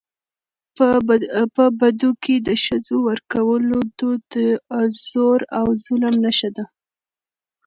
په بدو کي د ښځو ورکولو دود د زور او ظلم نښه وه .